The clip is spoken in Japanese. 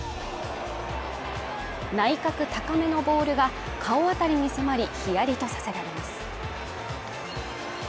内角高めのボールが顔あたりに迫り、ヒヤリとさせられます。